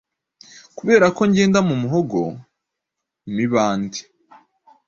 Kuberako ngenda mu muhogo 'imibande